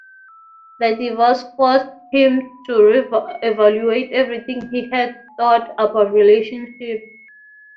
The divorce forced him to reevaluate everything he had thought about relationships.